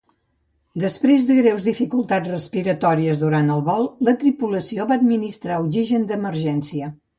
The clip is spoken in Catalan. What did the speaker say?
Després de greus dificultats respiratòries durant el vol, la tripulació va administrar oxigen d'emergència.